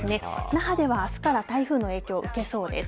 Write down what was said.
那覇では、あすから台風の影響を受けそうです。